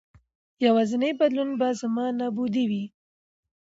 یوازېنی بدلون به زما نابودي وي.